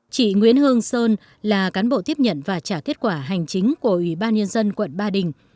chị nguyễn hương sơn là cán bộ tiếp nhận và trả kết quả hành chính của ủy ban nhân dân quận ba đình